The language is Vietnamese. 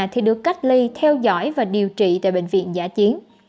thì được cách ly theo dõi và điều trị tại bệnh viện giả chiến